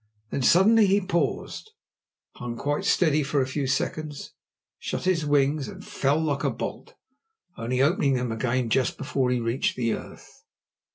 Then suddenly he paused, hung quite steady for a few seconds, shut his wings and fell like a bolt, only opening them again just before he reached the earth.